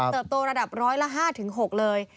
เติบโตระดาบร้อยละห้าถึงหกเลย